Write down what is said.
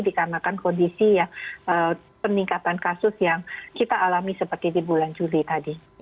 jadi dikarenakan kondisi peningkatan kasus yang kita alami seperti di bulan juli tadi